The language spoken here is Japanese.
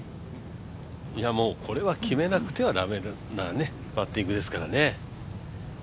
これは決めなくては駄目なパッティングですからね。